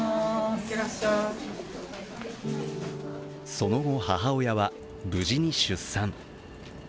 その後、母親は無事に出産。